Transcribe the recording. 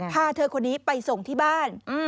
พาเธอคนนี้ไปส่งที่บ้าน